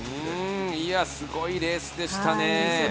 すごいレースでしたね。